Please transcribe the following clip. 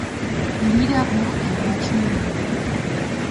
Liederbuch der deutschen Jugend".